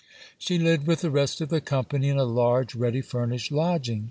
She lived with the rest of the company in a large ready furnished lodging.